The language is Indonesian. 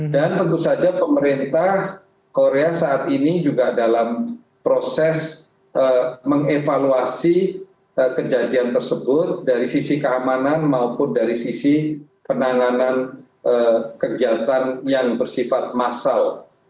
dan tentu saja pemerintah korea saat ini juga dalam proses mengevaluasi kejadian tersebut dari sisi keamanan maupun dari sisi penanganan kegiatan yang bersifat massal